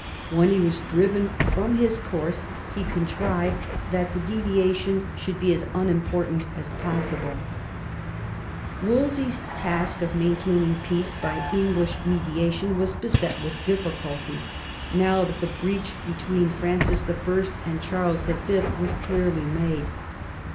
When he was driven from his course, he contrived that the deviation should be as unimportant as possibla Wolsey's task of maintaining peace by English media tion was beset with difficulties now that the breach between Francis L and Charles Y. was clearly made.